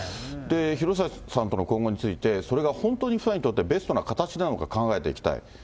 広末さんとの今後について、それが本当に彼女にとってベストな形なのか考えていきたい。